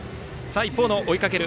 一方の追いかける